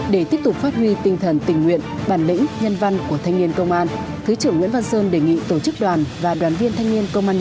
để tiếp tục phát huy tinh thần tình nguyện bản lĩnh